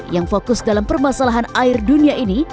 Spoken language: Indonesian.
yang fokus dalam permasalahan air dunia ini